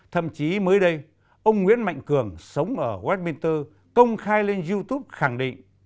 thậm chí mới đây ông nguyễn mạnh cường sống ở westminster công khai lên youtube khẳng định